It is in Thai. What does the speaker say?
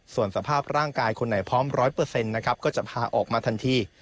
ส่วนสภาพร่างกายคนไหนพร้อม๑๐๐นะครับก็จะพาออกมาทันที